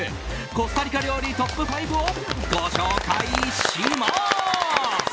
コスタリカ料理トップ５をご紹介します。